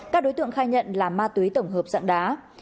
các đối tượng khai nhận là ma túy tổng hợp dạng đá